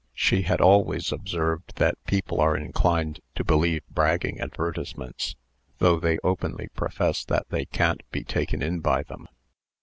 She had always observed that people are inclined to believe bragging advertisements, though they openly profess that they can't be taken in by them.